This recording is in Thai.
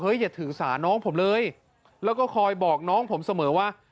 อย่าถือสาน้องผมเลยแล้วก็คอยบอกน้องผมเสมอว่า